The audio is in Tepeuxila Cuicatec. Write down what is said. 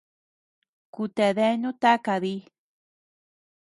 Ku ta deanu taka di.